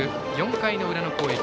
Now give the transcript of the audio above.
４回裏の攻撃。